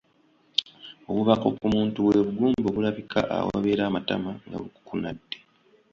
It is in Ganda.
Obubakko ku muntu bwe bugumba obulabika awabeera amatama nga bukukunadde.